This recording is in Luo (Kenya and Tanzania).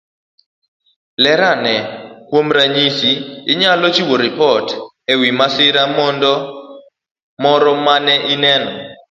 Ler ane. Kuom ranyisi, inyalo chiwo ripot e wi masira moro mane ineno